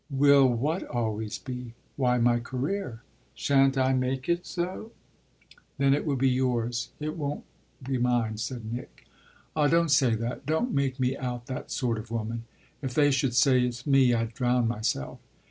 "Will what always be?" "Why my career." "Shan't I make it so?" "Then it will be yours it won't be mine," said Nick. "Ah don't say that don't make me out that sort of woman! If they should say it's me I'd drown myself."